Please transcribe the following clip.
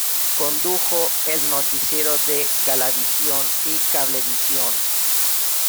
Condujo el noticiero de Galavisión y Cablevisión.